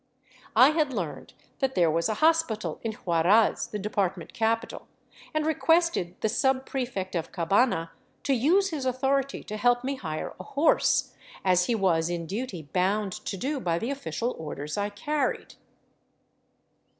I had learned that there was a hospital in Huaraz, the department capital, and requested the subprefect of Cabana to use his authority to help me hire a horse, as he was in duty bound to do by the official orders I carried.